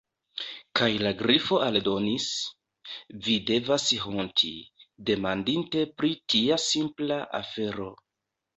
Kaj la Grifo aldonis: "Vi devas honti, demandinte pri tia simpla afero."